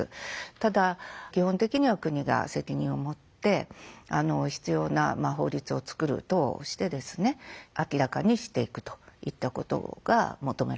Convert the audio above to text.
ただ基本的には国が責任を持って必要な法律を作る等をしてですね明らかにしていくといったことが求められると思います。